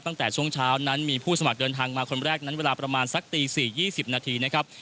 ตั้งแต่ช่วงเช้านั้นมีผู้สมัครเดินทางมาคนแรกนั้นเวลาประมาณสักตี๔๒๐นาทีนะครับ